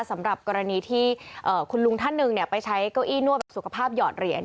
สำหรับกรณีที่คุณลุงท่านหนึ่งไปใช้เก้าอี้นวดแบบสุขภาพหยอดเหรียญ